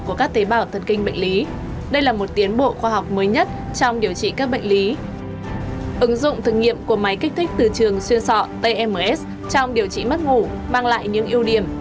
ứng dụng thử nghiệm của máy kích thích từ trường xuyên sọ tms trong điều trị mất ngủ mang lại những ưu điểm